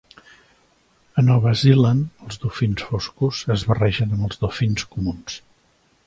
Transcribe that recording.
A Nova Zealand, els dofins foscos es barregen amb els dofins comuns.